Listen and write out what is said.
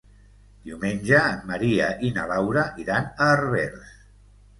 Diumenge en Maria i na Laura iran a Herbers.